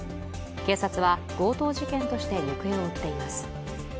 警察は強盗事件として行方を追っています。